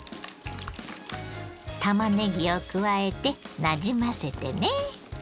たまねぎを加えてなじませてね。